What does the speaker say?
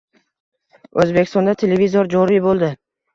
O’zbekistonda televizor joriy bo‘ldi.